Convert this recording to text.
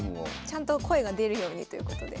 ちゃんと声が出るようにということで。